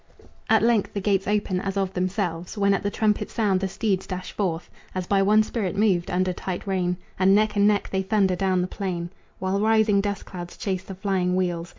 At length the gates open as of themselves, When at the trumpet's sound the steeds dash forth As by one spirit moved, under tight rein, And neck and neck they thunder down the plain, While rising dust clouds chase the flying wheels.